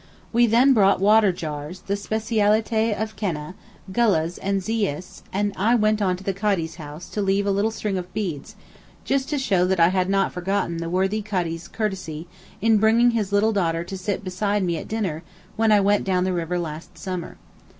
We then bought water jars (the specialité of Keneh); gullehs and zees—and I went on to the Kadee's house to leave a little string of beads, just to show that I had not forgotten the worthy Kadee's courtesy in bringing his little daughter to sit beside me at dinner when I went down the river last summer.